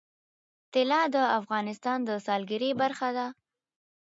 طلا د افغانستان د سیلګرۍ برخه ده.